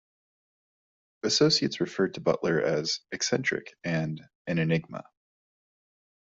Associates referred to Butler as "eccentric" and an "enigma.